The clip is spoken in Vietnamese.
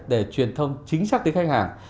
để truyền thông chính xác tới khách hàng